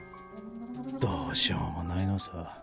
どうしようもないのさ。